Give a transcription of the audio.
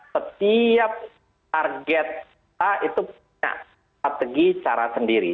setiap target kita itu punya strategi cara sendiri